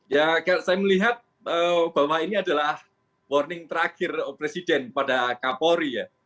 ya saya melihat bahwa ini adalah warning terakhir presiden pada kapolri ya